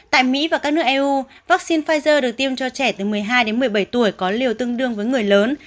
tại mỹ và các nước eu vaccine pfizer được tiêm cho trẻ từ một mươi hai đến một mươi bảy tuổi có liều tương đương với người lớn